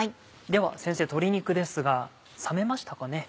では先生鶏肉ですが冷めましたかね？